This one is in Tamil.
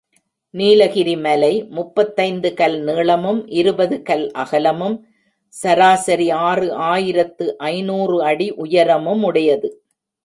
நீலகிரி மலை முப்பத்தைந்து கல் நீளமும் இருபது கல் அகலமும் சராசரி ஆறு ஆயிரத்து ஐநூறு அடி உயரமுமுடையது.